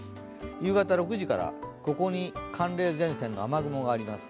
夕方６時から、ここに寒冷前線の雨雲があります。